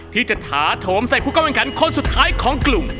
ที่จะท้าโถมใส่ผู้กำลังกันคนสุดท้ายของกลุ่ม